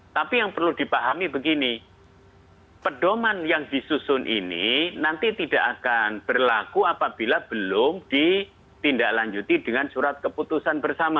tapi yang perlu dipahami begini pedoman yang disusun ini nanti tidak akan berlaku apabila belum ditindaklanjuti dengan surat keputusan bersama